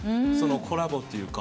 コラボというか。